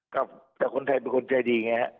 กับแต่คนไทยเป็นคนใจดีไหน